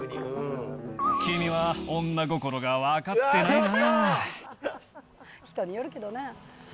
君は女心が分かってないなぁ。